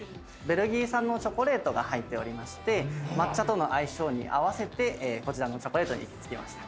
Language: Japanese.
ベルギー産のチョコレートが入っておりまして抹茶との相性に合わせてこちらのチョコレートに。